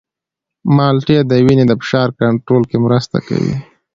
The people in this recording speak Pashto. مالټې د وینې د فشار کنټرول کې مرسته کوي.